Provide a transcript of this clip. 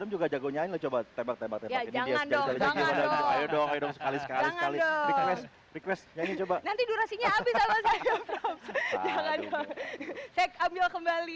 jangan saya ambil kembali